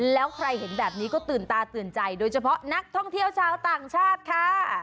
แล้วใครเห็นแบบนี้ก็ตื่นตาตื่นใจโดยเฉพาะนักท่องเที่ยวชาวต่างชาติค่ะ